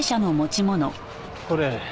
これ。